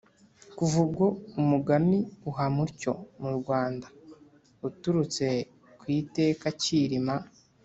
Kuva ubwo umugani uhama utyo mu Rwanda, uturutse ku iteka Kilima